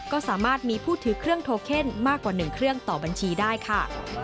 ก็สามารถมีผู้ถือเครื่องโทเคนมากกว่า๑เครื่องต่อบัญชีได้ค่ะ